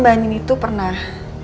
mbak nini itu pernah